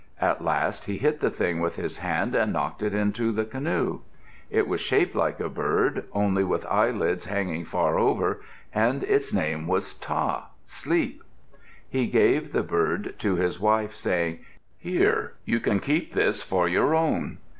At last he hit the thing with his hand and knocked it into the canoe. It was shaped like a bird, only with eyelids hanging far over, and its name was Ta, Sleep. He gave the bird to his wife, saying, "Here, you can keep this for your own."